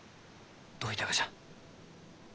どういたがじゃ？